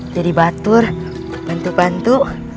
jadi batur bentuk bentuk